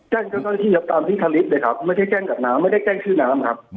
แจ้งก็ตามที่ทันฤทธิ์เลยครับไม่ได้แจ้งกับน้ำไม่ได้แจ้งชื่อน้ำครับ